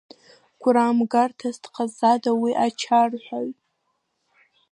Гәрамгарҭас дҟазҵада уи ачарҳәаҩ?